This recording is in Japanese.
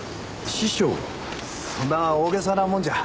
そんな大げさなもんじゃ。